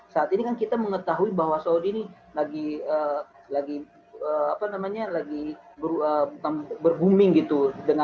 saat ini kan kita mengetahui bahwa saudi ini lagi berbooming gitu